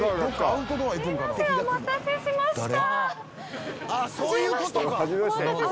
お待たせしました。